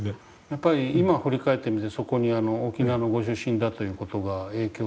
やっぱり今振り返ってみてそこに沖縄のご出身だという事が影響してると思いますか。